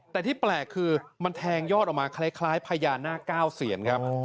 แต่ที่แปลกคือมันแทงยอดออกมาคล้ายพญานาคเก้าเซียนครับ